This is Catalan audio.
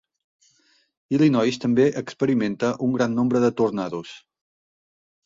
Illinois també experimenta un gran nombre de tornados.